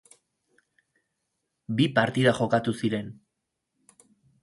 Bi partida jokatu ziren.